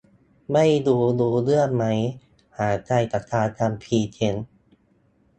ไม่รู้รู้เรื่องไหม ห่างไกลจากการทำพรีเซ็น